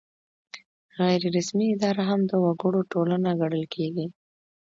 غیر رسمي اداره هم د وګړو ټولګه ګڼل کیږي.